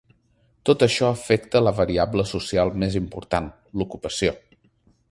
Tot això afecta la variable social més important, l’ocupació.